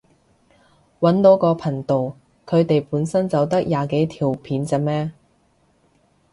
搵到個頻道，佢哋本身就得廿幾條片咋咩？